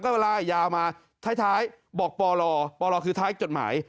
ก็เวลายาวมาท้ายบอกปลปลคือท้ายจดหมาย